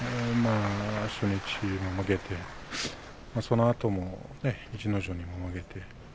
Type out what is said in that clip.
初日も負けて、そのあとも逸ノ城にも負けて。